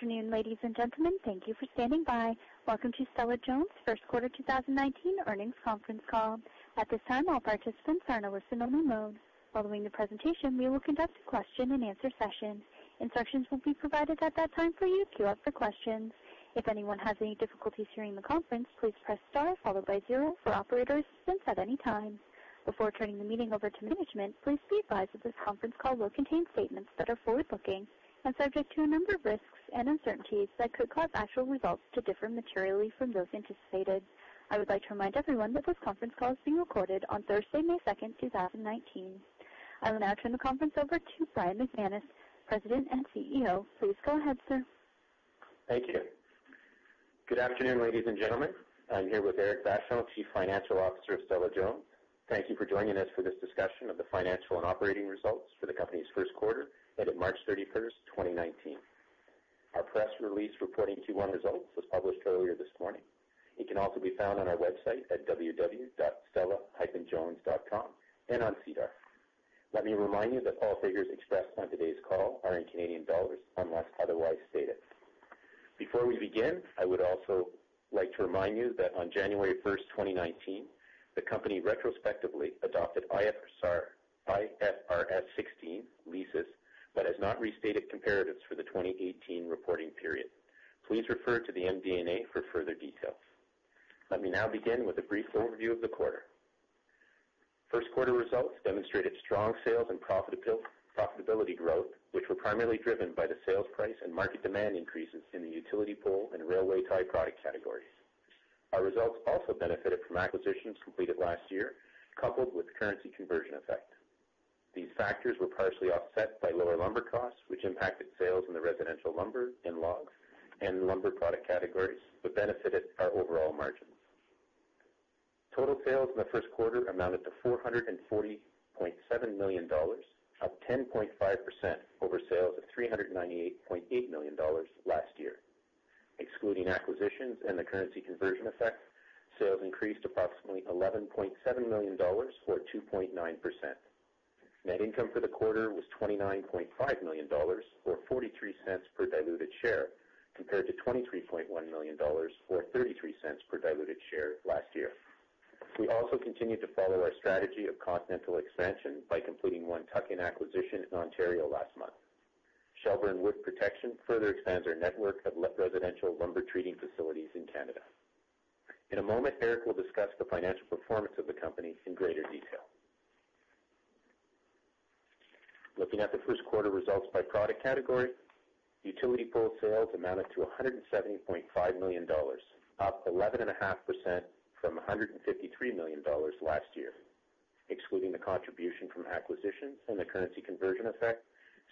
Good afternoon, ladies and gentlemen. Thank you for standing by. Welcome to Stella-Jones' first quarter 2019 earnings conference call. At this time, all participants are in a listen-only mode. Following the presentation, we will conduct a question-and-answer session. Instructions will be provided at that time for you to queue up for questions. If anyone has any difficulties during the conference, please press star followed by zero for operator assistance at any time. Before turning the meeting over to management, please be advised that this conference call will contain statements that are forward-looking and subject to a number of risks and uncertainties that could cause actual results to differ materially from those anticipated. I would like to remind everyone that this conference call is being recorded on Thursday, May 2nd, 2019. I will now turn the conference over to Brian McManus, President and CEO. Please go ahead, sir. Thank you. Good afternoon, ladies and gentlemen. I'm here with Éric Vachon, Chief Financial Officer of Stella-Jones. Thank you for joining us for this discussion of the financial and operating results for the company's first quarter ended March 31st, 2019. Our press release reporting Q1 results was published earlier this morning. It can also be found on our website at www.stella-jones.com and on SEDAR. Let me remind you that all figures expressed on today's call are in Canadian dollars unless otherwise stated. Before we begin, I would also like to remind you that on January 1st, 2019, the company retrospectively adopted IFRS 16 leases but has not restated comparatives for the 2018 reporting period. Please refer to the MD&A for further details. Let me now begin with a brief overview of the quarter. First quarter results demonstrated strong sales and profitability growth, which were primarily driven by the sales price and market demand increases in the utility pole and railway tie product categories. Our results also benefited from acquisitions completed last year, coupled with currency conversion effect. These factors were partially offset by lower lumber costs, which impacted sales in the residential lumber and logs and lumber product categories, but benefited our overall margins. Total sales in the first quarter amounted to 440.7 million dollars, up 10.5% over sales of 398.8 million dollars last year. Excluding acquisitions and the currency conversion effect, sales increased approximately 11.7 million dollars, or 2.9%. Net income for the quarter was 29.5 million dollars, or 0.43 per diluted share, compared to 23.1 million dollars or 0.33 per diluted share last year. We also continued to follow our strategy of continental expansion by completing one tuck-in acquisition in Ontario last month. Shelburne Wood Protection further expands our network of residential lumber treating facilities in Canada. In a moment, Éric will discuss the financial performance of the company in greater detail. Looking at the first quarter results by product category, utility pole sales amounted to 170.5 million dollars, up 11.5% from 153 million dollars last year. Excluding the contribution from acquisitions and the currency conversion effect,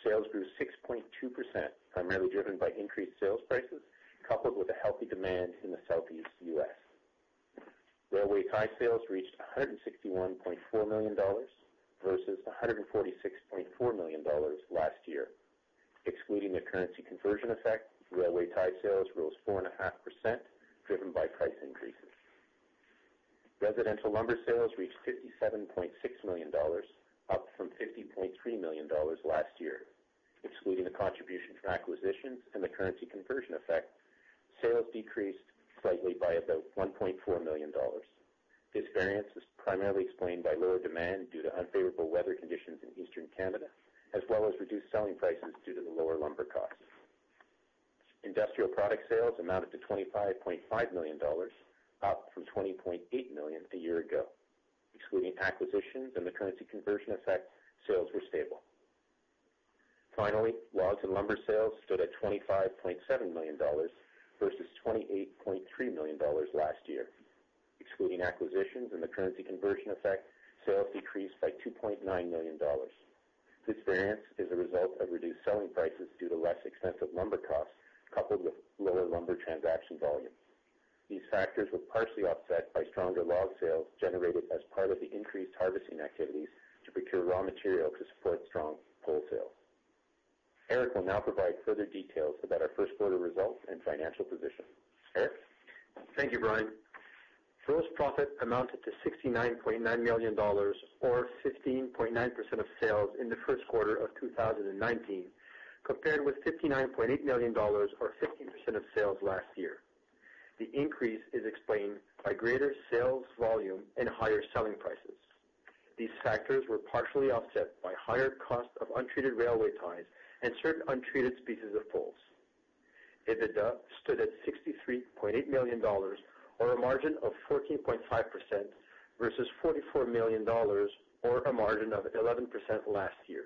sales grew 6.2%, primarily driven by increased sales prices, coupled with a healthy demand in the Southeast U.S. Railway tie sales reached 161.4 million dollars versus 146.4 million dollars last year. Excluding the currency conversion effect, railway tie sales rose 4.5%, driven by price increases. Residential lumber sales reached 57.6 million dollars, up from 50.3 million dollars last year. Excluding the contribution from acquisitions and the currency conversion effect, sales decreased slightly by about 1.4 million dollars. This variance is primarily explained by lower demand due to unfavorable weather conditions in Eastern Canada, as well as reduced selling prices due to the lower lumber costs. industrial product sales amounted to 25.5 million dollars, up from 20.8 million a year ago. Excluding acquisitions and the currency conversion effect, sales were stable. Finally, logs and lumber sales stood at 25.7 million dollars versus 28.3 million dollars last year. Excluding acquisitions and the currency conversion effect, sales decreased by 2.9 million dollars. This variance is a result of reduced selling prices due to less expensive lumber costs coupled with lower lumber transaction volume. These factors were partially offset by stronger log sales generated as part of the increased harvesting activities to procure raw material to support strong pole sales. Éric will now provide further details about our first quarter results and financial position. Éric? Thank you, Brian. Gross profit amounted to 69.9 million dollars or 15.9% of sales in the first quarter of 2019, compared with 59.8 million dollars or 15% of sales last year. The increase is explained by greater sales volume and higher selling prices. These factors were partially offset by higher cost of untreated railway ties and certain untreated species of poles. EBITDA stood at 63.8 million dollars or a margin of 14.5% versus 44 million dollars or a margin of 11% last year.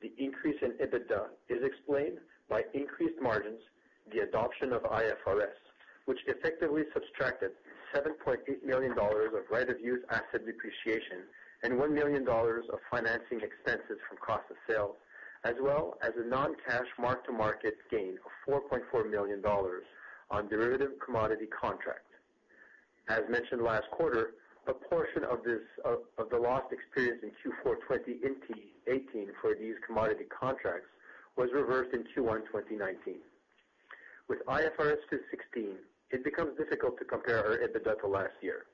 The increase in EBITDA is explained by increased margins, the adoption of IFRS, which effectively subtracted 7.8 million dollars of right-of-use asset depreciation and 1 million dollars of financing expenses from cost of sales, as well as a non-cash mark-to-market gain of 4.4 million dollars on derivative commodity contract. As mentioned last quarter, a portion of the loss experienced in Q4 2018 for these commodity contracts was reversed in Q1 2019. With IFRS 16, it becomes difficult to compare our EBITDA to last year.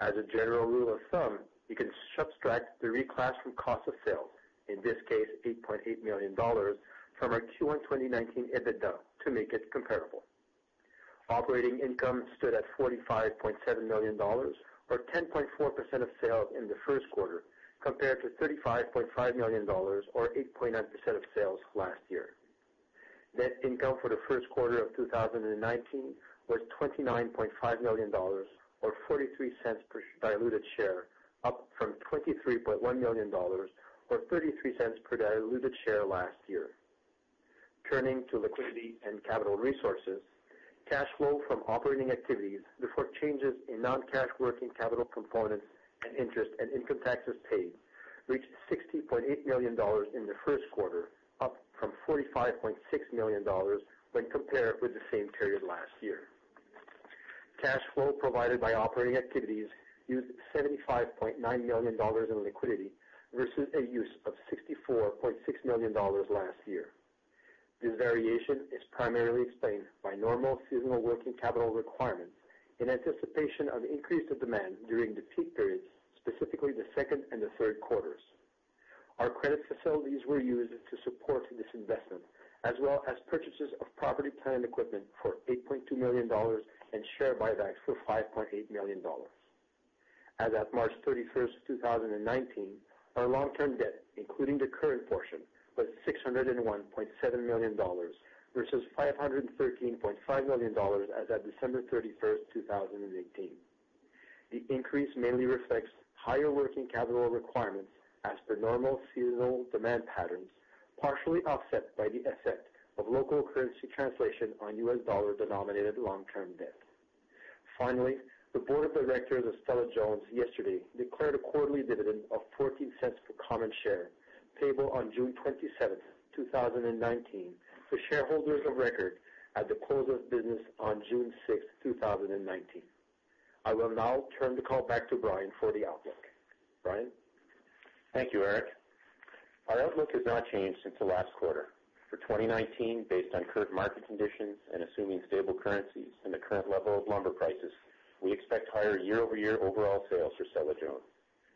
As a general rule of thumb, you can subtract the reclass from cost of sales, in this case, 8.8 million dollars, from our Q1 2019 EBITDA to make it comparable. Operating income stood at 45.7 million dollars or 10.4% of sales in the first quarter, compared to 35.5 million dollars or 8.9% of sales last year. Net income for the first quarter of 2019 was CAD 29.5 million or 0.43 per diluted share, up from CAD 23.1 million or 0.33 per diluted share last year. Turning to liquidity and capital resources, cash flow from operating activities before changes in non-cash working capital components and interest and income taxes paid reached 60.8 million dollars in the first quarter, up from 45.6 million dollars when compared with the same period last year. Cash flow provided by operating activities used 75.9 million dollars in liquidity versus a use of 64.6 million dollars last year. This variation is primarily explained by normal seasonal working capital requirements in anticipation of increased demand during the peak periods, specifically the second and the third quarters. Our credit facilities were used to support this investment, as well as purchases of property, plant, and equipment for 8.2 million dollars and share buybacks for 5.8 million dollars. As of March 31st, 2019, our long-term debt, including the current portion, was 601.7 million dollars versus 513.5 million dollars as of December 31st, 2018. The increase mainly reflects higher working capital requirements as per normal seasonal demand patterns, partially offset by the effect of local currency translation on U.S. dollar-denominated long-term debt. Finally, the board of directors of Stella-Jones yesterday declared a quarterly dividend of 0.14 per common share, payable on June 27th, 2019, to shareholders of record at the close of business on June 6th, 2019. I will now turn the call back to Brian for the outlook. Brian? Thank you, Éric. Our outlook has not changed since the last quarter. For 2019, based on current market conditions and assuming stable currencies and the current level of lumber prices, we expect higher year-over-year overall sales for Stella-Jones.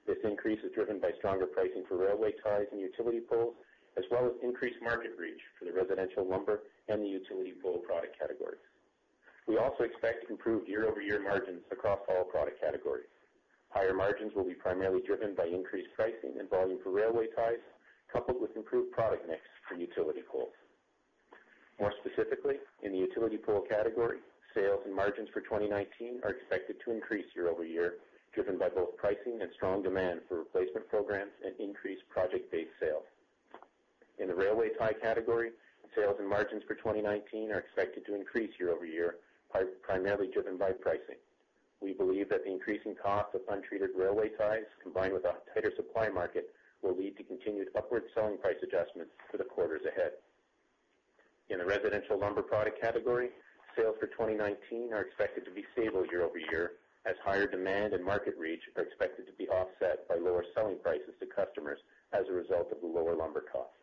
This increase is driven by stronger pricing for railway ties and utility poles, as well as increased market reach for the residential lumber and the utility pole product categories. We also expect improved year-over-year margins across all product categories. Higher margins will be primarily driven by increased pricing and volume for railway ties, coupled with improved product mix for utility poles. More specifically, in the utility pole category, sales and margins for 2019 are expected to increase year-over-year, driven by both pricing and strong demand for replacement programs and increased project-based sales. In the railway tie category, sales and margins for 2019 are expected to increase year-over-year, primarily driven by pricing. We believe that the increasing cost of untreated railway ties, combined with a tighter supply market, will lead to continued upward selling price adjustments for the quarters ahead. In the residential lumber product category, sales for 2019 are expected to be stable year-over-year, as higher demand and market reach are expected to be offset by lower selling prices to customers as a result of lower lumber costs.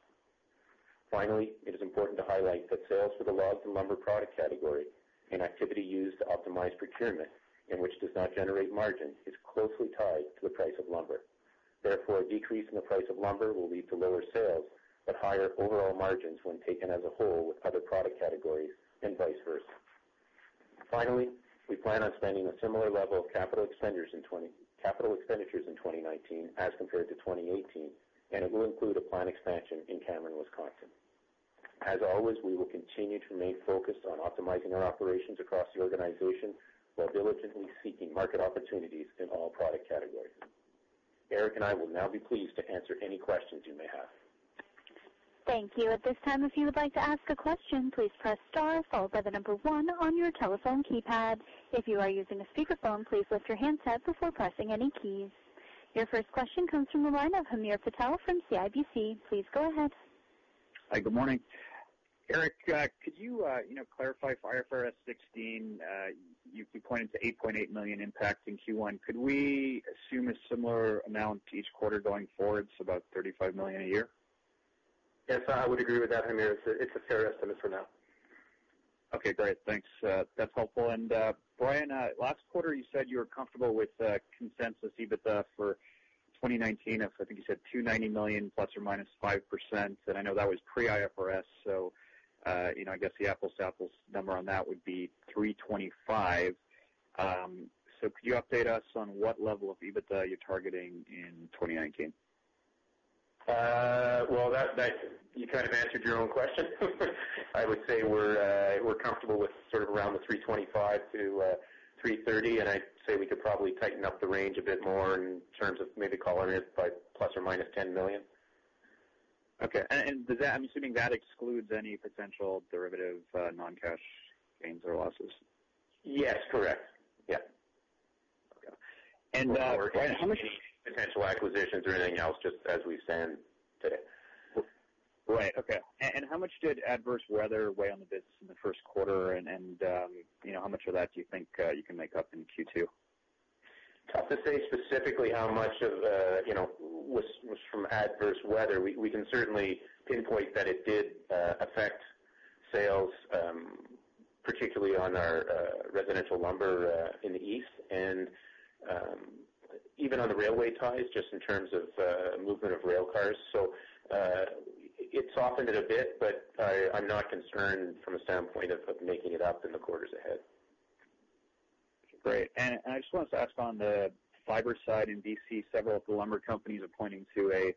Finally, it is important to highlight that sales for the logs and lumber product category, an activity used to optimize procurement and which does not generate margin, is closely tied to the price of lumber. A decrease in the price of lumber will lead to lower sales but higher overall margins when taken as a whole with other product categories, and vice versa. Finally, we plan on spending a similar level of capital expenditures in 2019 as compared to 2018, and it will include a planned expansion in Cameron, Wisconsin. As always, we will continue to remain focused on optimizing our operations across the organization while diligently seeking market opportunities in all product categories. Éric and I will now be pleased to answer any questions you may have. Thank you. At this time, if you would like to ask a question, please press star followed by the number one on your telephone keypad. If you are using a speakerphone, please lift your handset before pressing any keys. Your first question comes from the line of Hamir Patel from CIBC. Please go ahead. Hi, good morning. Éric, could you clarify for IFRS 16, you pointed to 8.8 million impact in Q1. Could we assume a similar amount each quarter going forward, so about 35 million a year? Yes, I would agree with that, Hamir. It's a fair estimate for now. Okay, great. Thanks. That's helpful. Brian, last quarter you said you were comfortable with consensus EBITDA for 2019 of, I think you said 290 million ±5%, and I know that was pre-IFRS, so I guess the apples-to-apples number on that would be 325. Could you update us on what level of EBITDA you're targeting in 2019? Well, you kind of answered your own question. I would say we're comfortable with sort of around 325 million to 330 million, I'd say we could probably tighten up the range a bit more in terms of maybe calling it by ±10 million. Okay. I'm assuming that excludes any potential derivative non-cash gains or losses. Yes, correct. Yeah. Okay. How much any potential acquisitions or anything else, just as we stand today. Right. Okay. how much did adverse weather weigh on the business in the first quarter and how much of that do you think you can make up in Q2? Tough to say specifically how much was from adverse weather. We can certainly pinpoint that it did affect sales, particularly on our residential lumber in the East and even on the railway ties, just in terms of movement of rail cars. it softened it a bit, but I'm not concerned from a standpoint of making it up in the quarters ahead. Great. I just wanted to ask on the fiber side in B.C., several of the lumber companies are pointing to a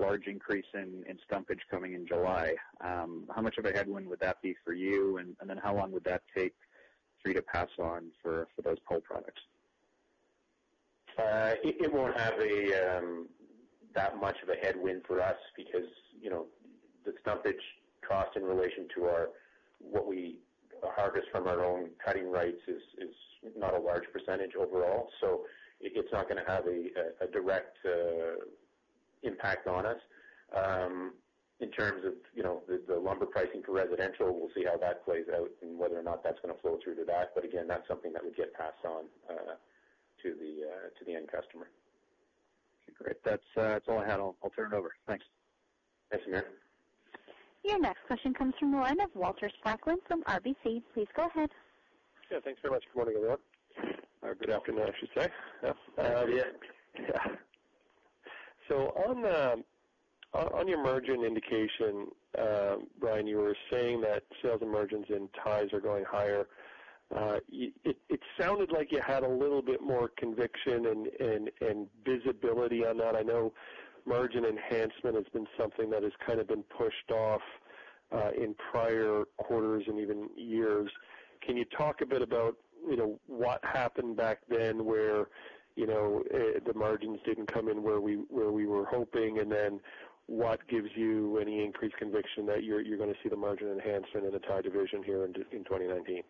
large increase in stumpage coming in July. How much of a headwind would that be for you, how long would that take for you to pass on for those pole products? It won't have that much of a headwind for us because the stumpage cost in relation to what we harvest from our own cutting rights is not a large percentage overall. It's not going to have a direct impact on us. In terms of the lumber pricing for residential, we'll see how that plays out and whether or not that's going to flow through to that. Again, that's something that would get passed on to the end customer. Great. That's all I had. I'll turn it over. Thanks. Thanks, again. Your next question comes from the line of Walter Spracklin from RBC. Please go ahead. Thanks very much. Good morning, everyone. Or good afternoon, I should say. Good afternoon. On your margin indication, Brian, you were saying that sales and margins in ties are going higher. It sounded like you had a little bit more conviction and visibility on that. I know margin enhancement has been something that has kind of been pushed off in prior quarters and even years. Can you talk a bit about what happened back then where the margins didn't come in where we were hoping, and then what gives you any increased conviction that you're going to see the margin enhancement in the tie division here in 2019?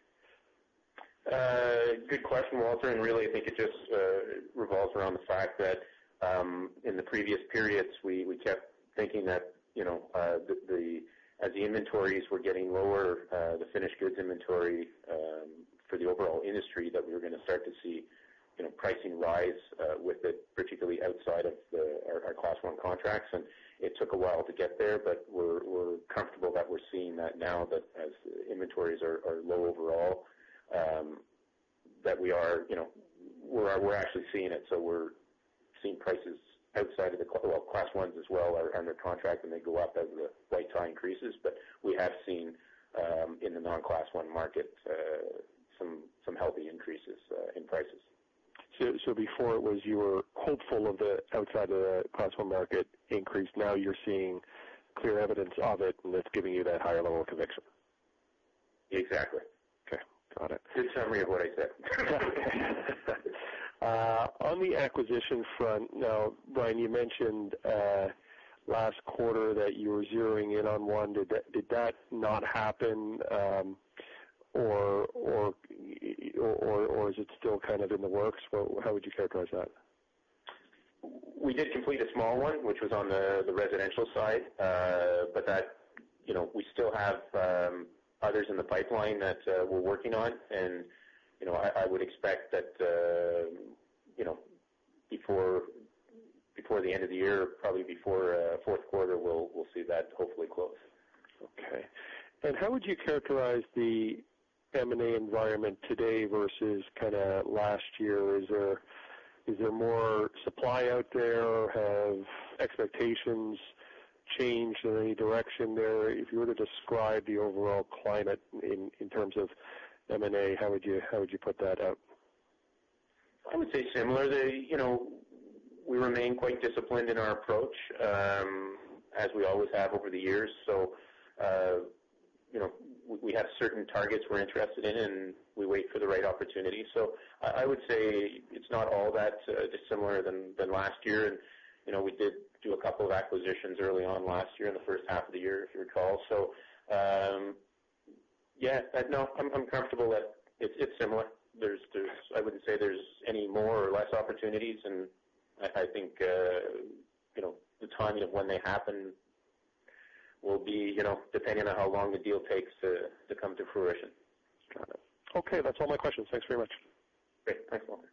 Good question, Walter, really, I think it just revolves around the fact that in the previous periods, we kept thinking that as the inventories were getting lower, the finished goods inventory for the overall industry, that we were going to start to see pricing rise with it, particularly outside of our Class I contracts. It took a while to get there, but we're comfortable that we're seeing that now, that as inventories are low overall, that we're actually seeing it. We're seeing prices outside of the Class Is as well are under contract, and they go up as the white tie increases. We have seen in the non-Class I market some healthy increases in prices. Before it was you were hopeful of the outside of the Class I market increase. Now you're seeing clear evidence of it, and that's giving you that higher level of conviction. Exactly. Okay. Got it. Good summary of what I said. On the acquisition front now, Brian, you mentioned last quarter that you were zeroing in on one. Did that not happen, or is it still kind of in the works? How would you characterize that? We did complete a small one, which was on the residential side. We still have others in the pipeline that we're working on, and I would expect that before the end of the year, probably before fourth quarter, we'll see that hopefully close. Okay. How would you characterize the M&A environment today versus kind of last year? Is there more supply out there? Have expectations changed in any direction there? If you were to describe the overall climate in terms of M&A, how would you put that out? I would say similar. We remain quite disciplined in our approach as we always have over the years. We have certain targets we're interested in, and we wait for the right opportunity. I would say it's not all that dissimilar than last year, and we did do a couple of acquisitions early on last year in the first half of the year, if you recall. Yeah, no, I'm comfortable that it's similar. I wouldn't say there's any more or less opportunities, and I think the timing of when they happen will be depending on how long the deal takes to come to fruition. Got it. Okay, that's all my questions. Thanks very much. Great. Thanks, Walter.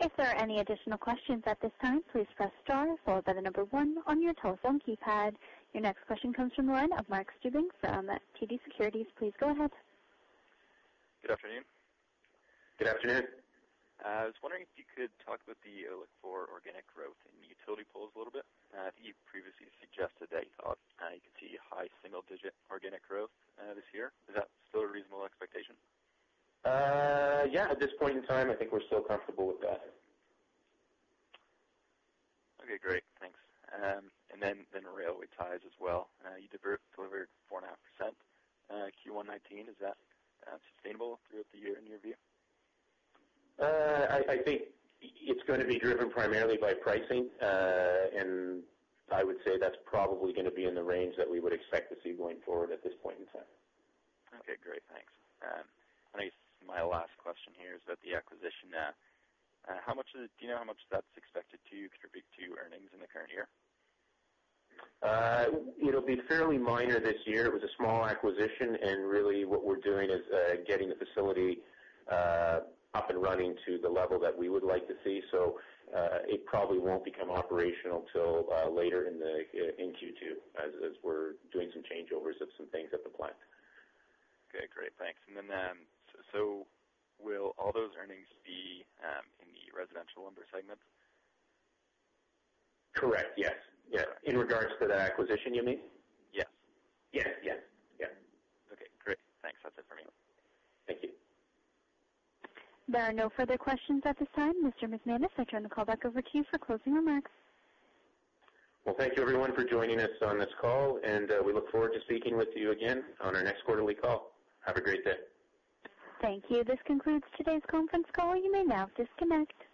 If there are any additional questions at this time, please press star followed by the number one on your telephone keypad. Your next question comes from the line of Mark Stuebing from TD Securities. Please go ahead. Good afternoon. Good afternoon. I was wondering if you could talk about the look for organic growth in utility poles a little bit. I think you previously suggested that you thought you could see high single-digit organic growth this year. Is that still a reasonable expectation? Yeah, at this point in time, I think we're still comfortable with that. Okay, great. Thanks. Then railway ties as well. You delivered 4.5% Q1 2019. Is that sustainable throughout the year in your view? I think it's going to be driven primarily by pricing. I would say that's probably going to be in the range that we would expect to see going forward at this point in time. Okay, great. Thanks. I guess my last question here is about the acquisition. Do you know how much that's expected to contribute to earnings in the current year? It'll be fairly minor this year. It was a small acquisition, and really what we're doing is getting the facility up and running to the level that we would like to see. It probably won't become operational till later in Q2, as we're doing some changeovers of some things at the plant. Okay, great. Thanks. Will all those earnings be in the residential lumber segment? Correct, yes. In regards to the acquisition, you mean? Yes. Yes. Okay, great. Thanks. That's it for me. Thank you. There are no further questions at this time. Mr. McManus, I turn the call back over to you for closing remarks. Well, thank you everyone for joining us on this call, and we look forward to speaking with you again on our next quarterly call. Have a great day. Thank you. This concludes today's conference call. You may now disconnect.